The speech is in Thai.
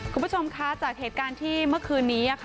คุณผู้ชมคะจากเหตุการณ์ที่เมื่อคืนนี้